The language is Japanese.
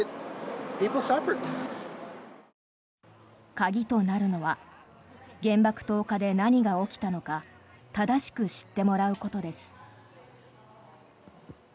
鍵となるのは原爆投下で何が起きたのか正しく知ってもらうことです。